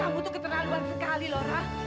kamu tuh keterlaluan sekali lora